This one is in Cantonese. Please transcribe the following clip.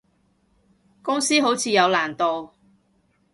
公司好似有難度